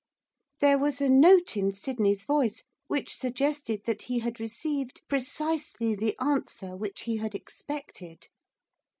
There was a note in Sydney's voice which suggested that he had received precisely the answer which he had expected.